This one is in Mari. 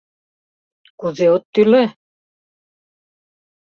Кузе от тӱлӧ?